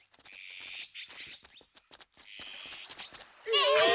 え？